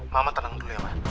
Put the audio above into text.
mama tenang dulu ya pak